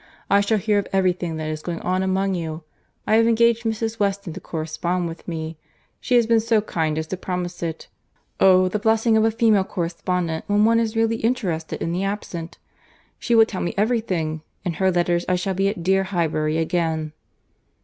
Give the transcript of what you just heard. I shall hear of every thing that is going on among you. I have engaged Mrs. Weston to correspond with me. She has been so kind as to promise it. Oh! the blessing of a female correspondent, when one is really interested in the absent!—she will tell me every thing. In her letters I shall be at dear Highbury again."